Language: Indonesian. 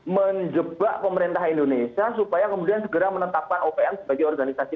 menjebak pemerintah indonesia supaya kemudian segera menetapkan opm sebagai organisasi